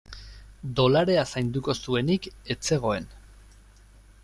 Dolarea zainduko zuenik ez zegoen.